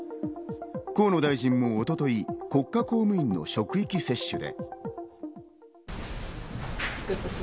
河野大臣もおととい国家公務員の職域接種で。